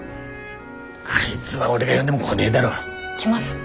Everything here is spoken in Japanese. あいづは俺が呼んでも来ねえだろ。来ます。